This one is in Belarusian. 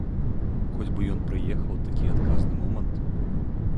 Хоць бы ён прыехаў, такі адказны момант.